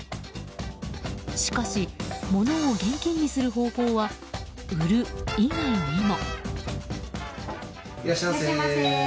しかし、物を現金にする方法は売る以外にも。